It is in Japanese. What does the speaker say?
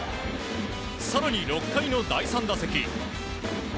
更に６回の第３打席。